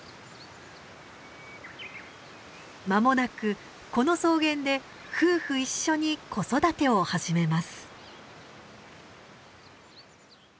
まもなくこの草原で夫婦一緒に子育てを始めます。